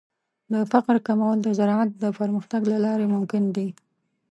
د فقر کمول د زراعت د پرمختګ له لارې ممکن دي.